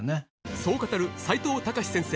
そう語る齋藤孝先生